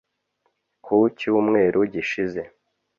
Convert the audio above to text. Ku cyumweru gishize